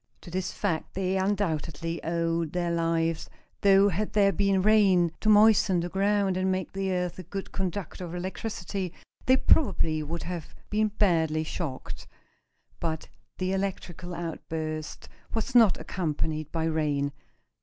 To this fact they undoubtedly owed their lives, though had there been rain, to moisten the ground and make the earth a good conductor of electricity, they probably would have been badly shocked. But the electrical outburst was not accompanied by rain.